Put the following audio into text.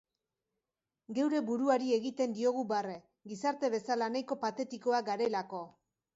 Geure buruari egiten diogu barre, gizarte bezala nahiko patetikoak garelako.